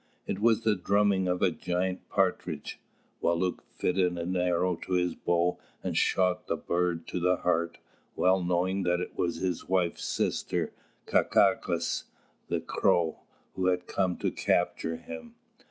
It was the drumming of a giant partridge. Wālūt fitted an arrow to his bow and shot the bird to the heart, well knowing that it was his wife's sister "Kākāgūs," the Crow, who had come to capture him.